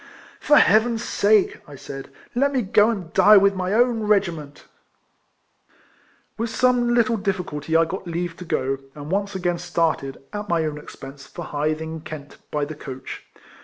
" For Heaven's sake," I said, " let me go and die with ray own regiment !" With some little difficulty I got leave to go, and once again started, at my own ex pense, for Hythe, in Kent, by the coach.